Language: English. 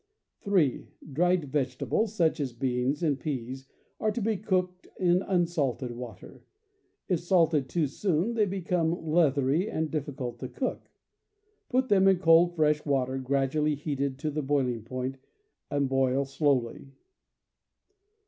(3) Dried vegetables, such as beans and peas, are to be cooked in unsalted water. If salted too soon they become leathery and diflScult to cook. Put them in cold, fresh water, gradually heated to the boiling point, and boil slowly.